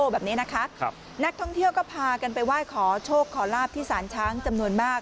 แบบนี้นะคะครับนักท่องเที่ยวก็พากันไปไหว้ขอโชคขอลาบที่สารช้างจำนวนมาก